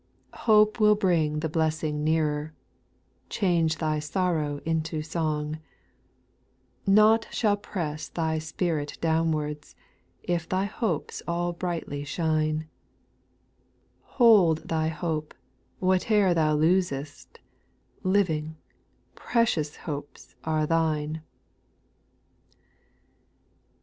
166 Hope will bring the blessing nearer ; Change thy sorrow into song ; Nought shall i^ress thy spirit downwards^ If thy hopes all brightly shine* Sold thy hope, whate'er thou losest, — Living, precious hopes are thine I 7.